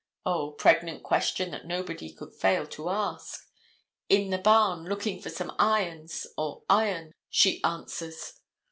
O, pregnant question that nobody could fail to ask. "In the barn looking for some irons or iron," she answers.